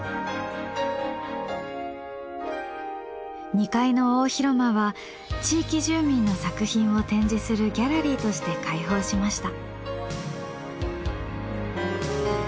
２階の大広間は地域住民の作品を展示するギャラリーとして開放しました。